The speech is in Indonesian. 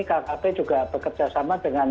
kkp juga bekerjasama dengan